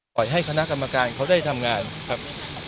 ให้คณะกรรมการเขาได้ทำงานครับ